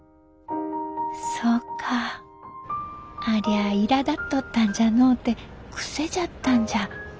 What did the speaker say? ありゃあいらだっとったんじゃのうて癖じゃったんじゃ。